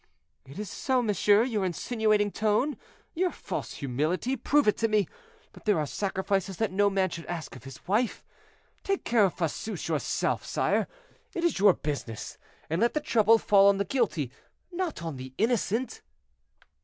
"It is so, monsieur; your insinuating tone, your false humility, prove it to me. But there are sacrifices that no man should ask of his wife. Take care of Fosseuse yourself, sire; it is your business, and let the trouble fall on the guilty, not on the innocent."